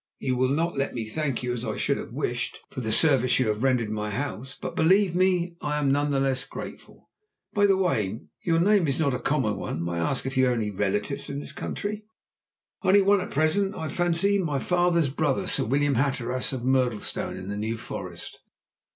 You will not let me thank you, as I should have wished, for the service you have rendered my house, but, believe me, I am none the less grateful. By the way, your name is not a common one. May I ask if you have any relatives in this county?" "Only one at present, I fancy my father's brother, Sir William Hatteras, of Murdlestone, in the New Forest."